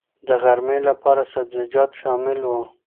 د غرمې لپاره سبزيجات شامل وو.